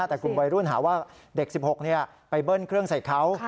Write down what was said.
แต่กลุ่มวัยรุ่นหาว่าเด็ก๑๖ไปเบิ้ลเครื่องใส่เขา